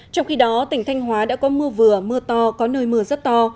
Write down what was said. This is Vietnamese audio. trong khi đó tỉnh thanh hóa đã có mưa vừa mưa to có nơi mưa rất to